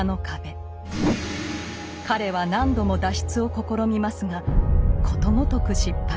彼は何度も脱出を試みますがことごとく失敗。